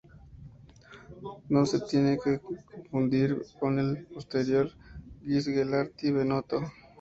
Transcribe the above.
No se tiene que confundir con el posterior "Gis Gelati-Benotto.